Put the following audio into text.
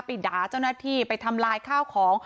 ไปด่าเจ้าหน้าที่ไปทำลายข้าวของ